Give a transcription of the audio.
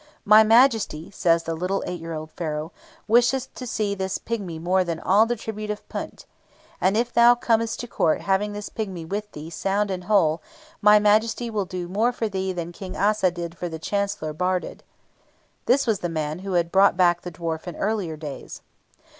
"My Majesty," says the little eight year old Pharaoh, "wisheth to see this pigmy more than all the tribute of Punt. And if thou comest to Court having this pigmy with thee sound and whole, My Majesty will do for thee more than King Assa did for the Chancellor Baurded." (This was the man who had brought back the other dwarf in earlier days.)